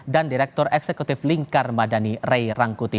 dan direktur eksekutif lingkar madani rey rangkuti